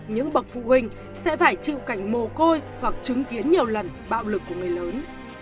những bậc phụ huynh sẽ phải chịu cảnh mồ côi hoặc chứng kiến nhiều lần bạo lực của người lớn